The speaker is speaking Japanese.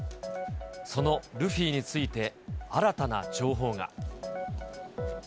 そのルフィについて、新たな情報が。